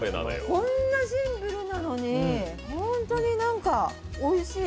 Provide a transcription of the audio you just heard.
こんなシンプルなのに、本当においしい。